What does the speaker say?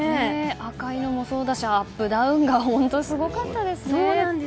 赤いのもそうだしアップダウンが本当すごかったですね。